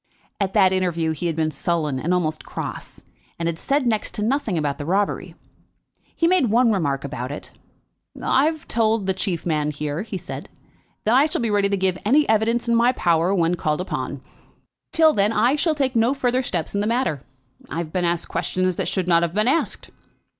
At that interview he had been sullen and almost cross, and had said next to nothing about the robbery. He made but one remark about it. "I have told the chief man here," he said, "that I shall be ready to give any evidence in my power when called upon. Till then I shall take no further steps in the matter. I have been asked questions that should not have been asked."